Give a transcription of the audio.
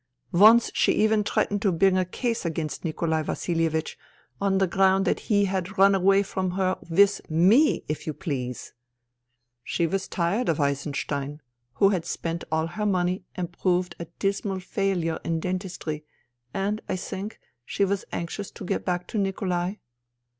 Once she even threatened to bring a case against Nikolai Vasilievich on the ground that he had run away THE THREE SISTERS 31 from her with tne, if you please ! She was tired of Eisenstein, who had spent all her money and proved a dismal failure in dentistry, and, I think, she was anxious to get back to Nikolai.